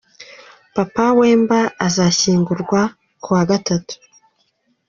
Papa Wemba azashyingurwa ku wa Gatatu.